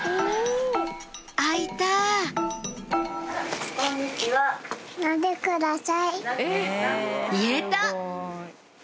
開いた言えた！